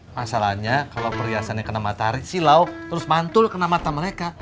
masalahnya kalo perhiasannya kena matahari silau terus mantul kena mata mereka